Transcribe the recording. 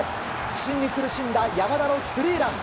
不振に苦しんだ山田のスリーラン！